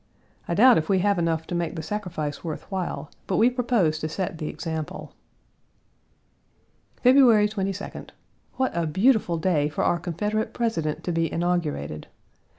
I doubt if we have enough to make the sacrifice worth while, but we propose to set the example. February 22d. What a beautiful day for our Confederate President to be inaugurated!